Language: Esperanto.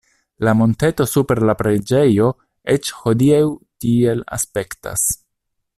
La monteto super la preĝejo eĉ hodiaŭ tiel aspektas.